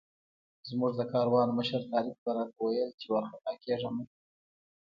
زموږ د کاروان مشر طارق به راته ویل چې وارخطا کېږه مه.